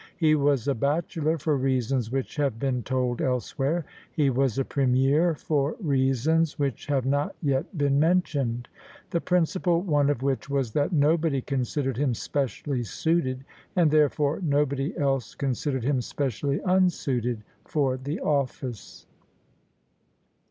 He was a bachelor for reasons which have been told elsewhere: he was a Premier for rea sons which have not yet been mentioned: the principal one of which was that nobody considered him specially suited — and therefore nobody else considered him specially unsuited •— for the ofEce.